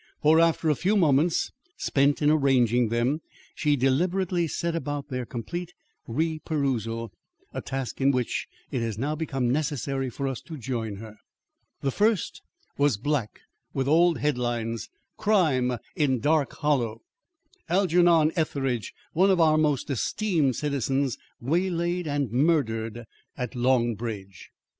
For after a few moments spent in arranging them, she deliberately set about their complete reperusal, a task in which it has now become necessary for us to join her. The first was black with old head lines: [Illustration: CRIME IN DARK HOLLOW] CRIME IN DARK HOLLOW Algernon Etheridge, One of Our Most Esteemed Citizens, Waylaid and Murdered at Long Bridge.